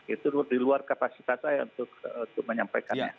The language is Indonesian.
itu di luar kapasitas saya untuk menyampaikannya